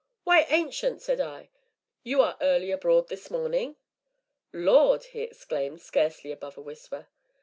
"Why, Ancient," said I, "you are early abroad this morning!" "Lord!" he exclaimed, scarcely above a whisper.